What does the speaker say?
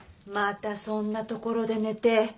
またそんなところで寝て。